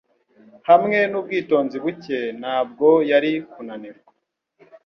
Hamwe nubwitonzi buke, ntabwo yari kunanirwa.